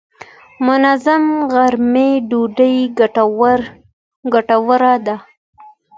منظم غرمې ډوډۍ ګټوره ده.